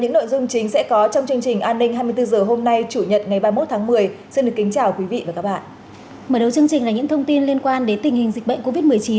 mở đầu chương trình là những thông tin liên quan đến tình hình dịch bệnh covid một mươi chín